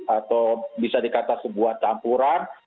atau bisa dikata sebuah campuran